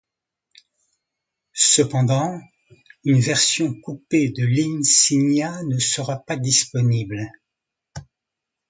Cependant, une version coupé de l'Insignia ne sera pas disponible.